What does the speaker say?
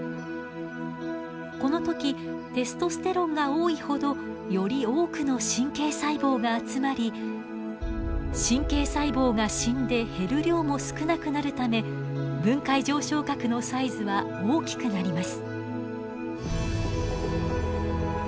この時テストステロンが多いほどより多くの神経細胞が集まり神経細胞が死んで減る量も少なくなるため分界条床核のサイズは大きくなります。